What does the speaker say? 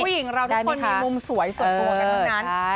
ผู้หญิงเราทุกคนมีมุมสวยส่วนตัวกันทั้งนั้น